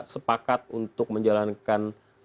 sepakat untuk menjalankan